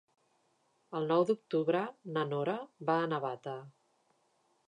El nou d'octubre na Nora va a Navata.